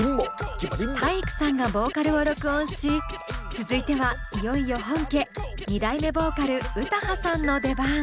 体育さんがボーカルを録音し続いてはいよいよ本家２代目ボーカル詩羽さんの出番。